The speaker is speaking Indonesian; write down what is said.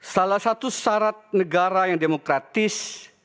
salah satu syarat negara yang demokratis